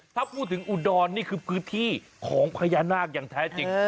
ถ้าพูดถึงอุดรนี่คือพื้นที่ของพญานาคอย่างแท้จริง